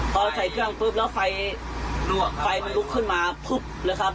พอใส่เครื่องปุ๊บแล้วไฟมันลุกขึ้นมาปุ๊บนะครับ